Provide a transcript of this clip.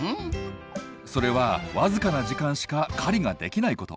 それは僅かな時間しか狩りができないこと。